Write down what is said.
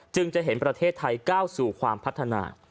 จะเห็นประเทศไทยก้าวสู่ความพัฒนา